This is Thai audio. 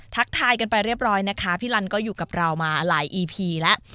ทายกันไปเรียบร้อยนะคะพี่ลันก็อยู่กับเรามาหลายอีพีแล้ว